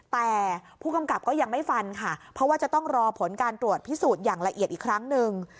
แต่ผู้กำกับก็ยังไม่ฟันค่ะเพราะว่าจะต้องรอผลการตรวจพิสูจน์อย่างละเอียดอีกครั้งหนึ่ง